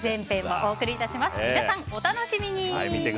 皆さん、お楽しみに。